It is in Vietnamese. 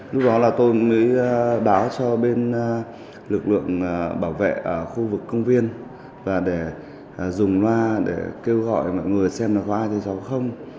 lúc đó là tôi mới báo cho bên lực lượng bảo vệ khu vực công viên và để dùng loa để kêu gọi mọi người xem là có ai thì cháu không